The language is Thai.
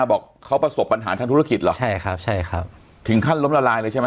บอกเขาประสบปัญหาทางธุรกิจเหรอใช่ครับใช่ครับถึงขั้นล้มละลายเลยใช่ไหม